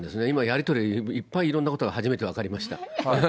今、やり取り、いっぱいいろんなことが初めて分かりました。